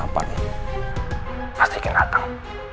pasti akan datang